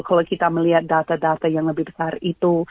kalau kita melihat data data yang lebih besar itu